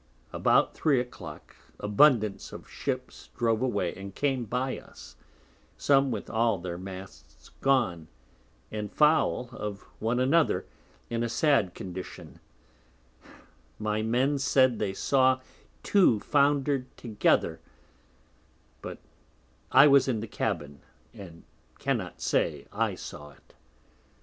About Three a Clock abundance of Ships drove away, and came by us; some with all their Masts gone, and foul of one another; in a sad Condition my Men said they saw Two founder'd together, but I was in the Cabin, and cannot say I saw it.